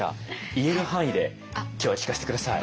言える範囲で今日は聞かせて下さい。